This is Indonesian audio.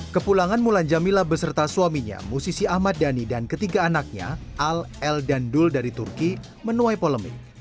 kepulangan mulan jamila beserta suaminya musisi ahmad dhani dan ketiga anaknya al el dan dul dari turki menuai polemik